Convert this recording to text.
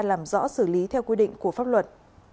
làm rõ xử lý theo quy định của pháp luật